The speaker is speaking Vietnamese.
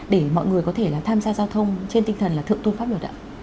để mọi người có thể là tham gia giao thông trên tinh thần là thượng tôn pháp luật ạ